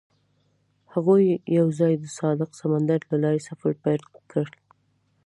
هغوی یوځای د صادق سمندر له لارې سفر پیل کړ.